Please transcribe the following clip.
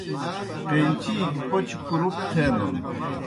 قینچی گیْ پوْچہ کُرُپ تھینَن۔